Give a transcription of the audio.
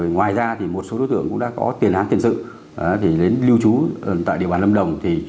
ngoài ra một số đối tượng cũng đã có tiền án tiền sự đến lưu trú tại địa bàn lâm đồng